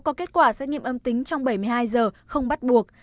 có kết quả xét nghiệm âm tính trong bảy mươi hai giờ không bắt buộc